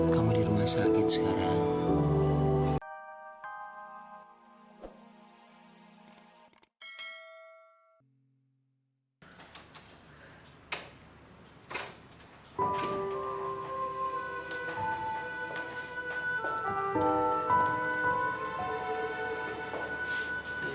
kamu di rumah sakit sekarang